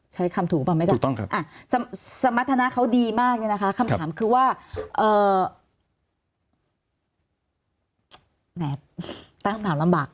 ใช้คำถูกป่ะไหมจ๊ะสมรรถนะเขาดีมากเนี่ยนะคะคำถามคือว่าแหมตั้งคำถามลำบาก